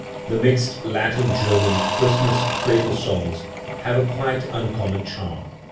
The mixed Latin German Christ mas cradle songs have a quite uncommon charm.